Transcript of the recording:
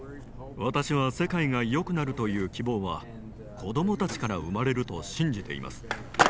私は世界がよくなるという希望は子どもたちから生まれると信じています。